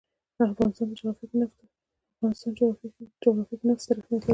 د افغانستان جغرافیه کې نفت ستر اهمیت لري.